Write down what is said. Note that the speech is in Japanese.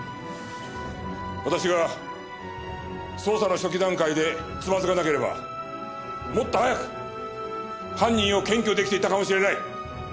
私が捜査の初期段階でつまずかなければもっと早く犯人を検挙出来ていたかもしれない。